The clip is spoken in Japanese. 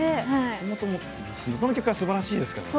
元の曲がすばらしいですからね。